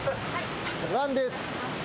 ランです。